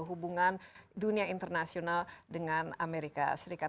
hubungan dunia internasional dengan amerika serikat